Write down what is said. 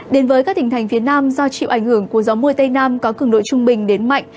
đến với các tỉnh thành phía nam do chịu ảnh hưởng của gió mùa tây nam có cường độ trung bình đến mạnh